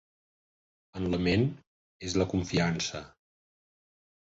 En la ment, és la confiança.